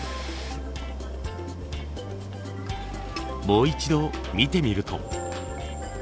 もう一度見てみると。